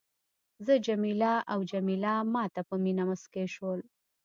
زه جميله او جميله ما ته په مینه مسکي شول.